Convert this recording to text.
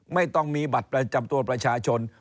ไม่ต้องมีบัตรประจำตัวประชาชน